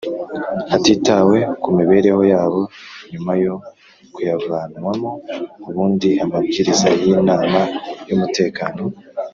hatitawe ku mibereho yabo nyuma yo kuyavanwamo Ubundi amabwiriza y inama y umutekano